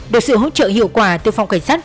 được sự hỗ trợ hiệu quả từ phòng cảnh sát